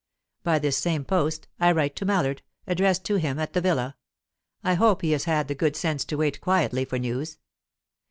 "By this same post I write to Mallard, addressed to him at the villa. I hope he has had the good sense to wait quietly for news.